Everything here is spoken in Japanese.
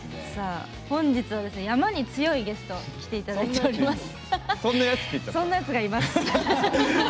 本日は、山に強いゲストに来ていただいています。